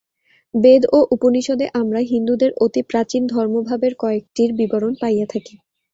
বেদ ও উপনিষদে আমরা হিন্দুদের অতি প্রাচীন ধর্মভাবের কয়েকটির বিবরণ পাইয়া থাকি।